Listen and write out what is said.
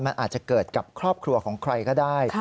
มันอาจจะเกิดกับครอบครัวของใครก็ได้